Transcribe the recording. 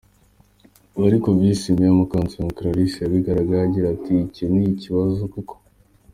Ibi ariko Visi meya Mukansanga Clarisse yabihakanye agira ati: “Icyo ni ikibazo koko ?